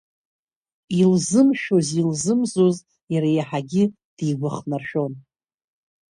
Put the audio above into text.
Илзымшәоз-илзымзоз иара иаҳагьы дигәахнаршәон.